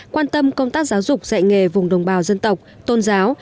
quan tâm công tác giáo dục dạy nghề vùng đồng bào dân tộc tôn giáo